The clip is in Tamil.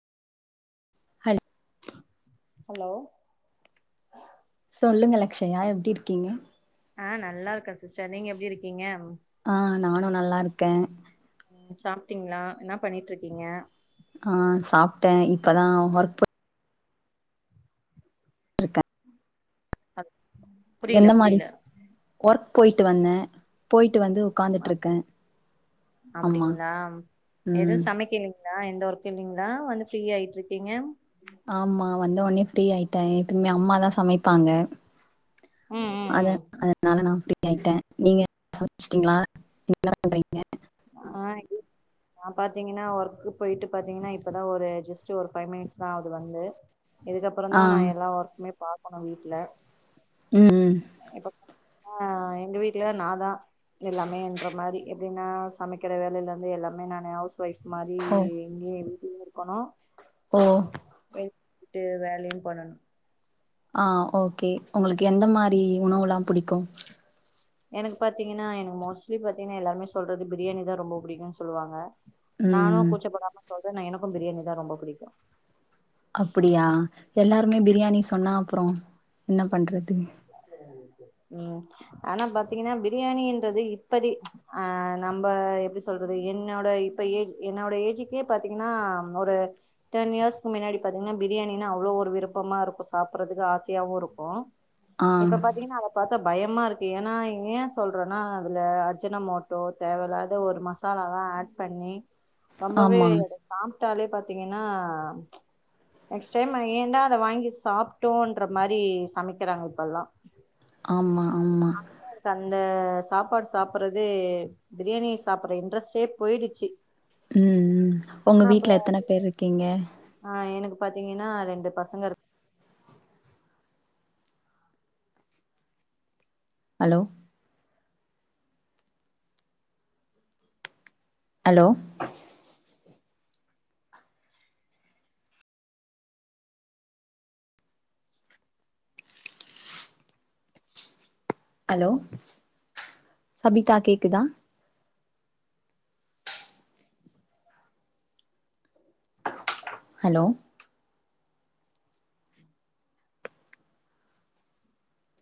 ஹல் ஹலோ சொல்லுங்க லக்ஷ்யா எப்டி இருக்கீங்க ஆ நல்லா இருக்கே சிஸ்டர் நீங்க எப்டி இருக்கீங்க ஆ நானு நல்லா இருக்கே ம் சாப்ட்டீங்ளா என்ன பண்ணிட்ருக்கீங்க ஆ சாப்ட்டே இப்பதா ஒர்க் போயிட்ருக்கே அ புரியல என்ன மாரி புரியல ஒர்க் போயிட்டு வந்தே போயிட்டு வந்து அப்டி உக்காந்துட்ருக்கே ஆமா அப்டிங்களா எதுவு ம் சமைக்கிலி ங்ளா எந்த ஒர்க் இல்லிங்களா வந்து ஃப்ரீ ஆயிட்ருக்கீங்க ஆமா வந்த ஒட்னே ஃப்ரீ ஆயிட்டே எப்பவுமே அம்மாதா சமைப்பாங்க ம் ம் அத ம் அதனால நா ஃப்ரீ ஆயிட்டே நீங்க சமைச்சிட்டிங்ளா என்ன பண்றீங்க ஆ நா பாத்தீங்கன்னா ஒர்க்கு போயிட்டு பாத்தீங்கன்னா இப்பதா ஒரு ஜஸ்ட் ஒரு ஃபைவ் மினிட்ஸ் தா ஆகுது வந்து இதுக்கப்பறந்தா ஆ நா எல்லா ஒர்க்குமே பாக்கணு வீட்ல ம் இப்ப ஆ எங்க வீட்ல நாதா எல்லாமேன்ற மாரி எப்டினா சமைக்கிற வேலையல இருந்து எல்லாமே நானு ஹவுஸ் ஒயஃப் மாரி ஓ எங்கயே வீட்டுலே இருக்கணு ஓ எவ் வீட்டு வேலையு பண்ணணு ஆ ஓகே உங்களுக்கு எந்த மாரி உணவுலா புடிக்கு எனக்கு பாத்தீங்கனா எனக்கு மோஸ்ட்லி பாத்தீங்கனா எல்லாருமே சொல்றது பிரியாணி தா ரொம்ப புடிக்குன் சொல்லுவாங்க நானு ம் கூச்சப்படாம சொல்றே நா எனக்கு பிரியாணி தா ரொம்ப புடிக்கு அப்பிடியா எல்லாருமே பிரியாணி சொன்னா அப்றோ என்ன பண்றது ம் ஆனா பாத்தீங்கனா பிரியாணின்றது இப்பதே ஆ நம்ம எப்டி சொல்றது என்னோட இப்ப ஏஜ் என்னோட ஏஜுக்கே பாத்தீங்கனா ஒரு டென் இயர்ஸ்க்கு மின்னாடி பாத்தீங்கனா பிரியாணினா அவ்ளோ ஒரு விருப்பமா இருக்கு சாப்புட்றத்துக்கு ஆசையாவு இருக் ஆ இப்ப பாத்தீங்கனா அத பாத்தா பயமா இருக்கு ஏனா ஏ சொல்றனா அதுல அர்ஜினமோட்டோ தேவயில்லாத ஒரு மஸ் சாலாலா ஆட் பண்ணி ரொம்பவே ஆமா அத சாப்ட்டாலே பாத்தீங்கனா நெக்ஸ்ட் டைம் அத ஏன்டா அத வாங்கி சாப்ட்டோன்ற மாரி சமைக்கிறாங்க இப்பெல்லா ஆமா ஆமா கண்ட சாப்பாடு சாப்பிட்றதே பிரியாணி சாப்புட்ற இன்ட்ரெஸ்ட்டே போயிடுச்சு ம் ம் ஒங்க வீட்ல எத்தன பேர் இருக்கீங்க ஆ எனக்கு பாத்தீங்கனா ரெண்டு பசங்க இருக் ஹலோ ஹலோ ஹலோ சபிதா கேக்குதா ஹலோ